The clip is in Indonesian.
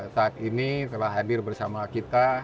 saat ini telah hadir bersama kita